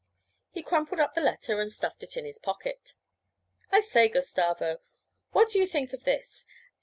He crumpled up the letter and stuffed it in his pocket. 'I say, Gustavo, what do you think of this?